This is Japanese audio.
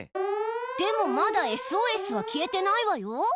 でもまだＳＯＳは消えてないわよ。